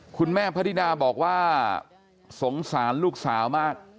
พระธิดาบอกว่าสงสารลูกสาวมาก